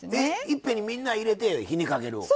えっいっぺんにみんな入れて火にかける？